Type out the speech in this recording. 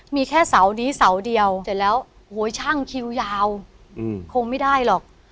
มีแค่เสานี้เสาเดียวเสร็จแล้วโหช่างคิวยาวคงไม่ได้หรอก